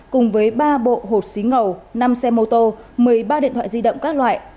cùng với ba bộ hột xí ngầu năm xe motor một mươi ba điện thoại di động các loại